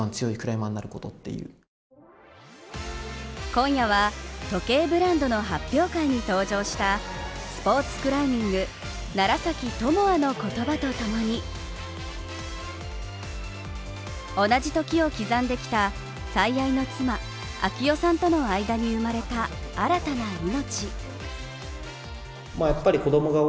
今夜は時計のイベントに登場したスポーツクライミング楢崎智亜の言葉とともに同じ時を刻んできた最愛の妻啓代さんとの間に生まれた新たな命。